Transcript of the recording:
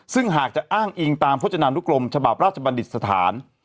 ซึ่งหากจะอ้างอิงตามพจนานุกรมฉบับราชบัณฑิตสถาน